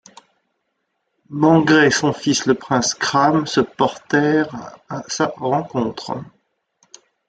Mangrai et son fils le prince Khram, se portèrent à sa rencontre.